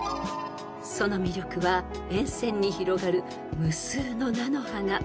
［その魅力は沿線に広がる無数の菜の花］